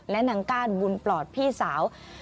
และนางก้านบุญปลอดพี่สาว